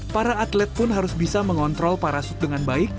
para atlet pun harus bisa mengontrol parasut dengan baik